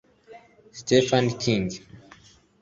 stephen king